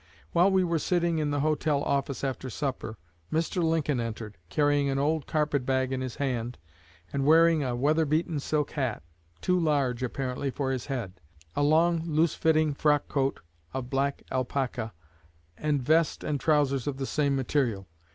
While we were sitting in the hotel office after supper, Mr. Lincoln entered, carrying an old carpet bag in his hand, and wearing a weather beaten silk hat too large, apparently, for his head a long, loosely fitting frock coat of black alpaca, and vest and trousers of the same material.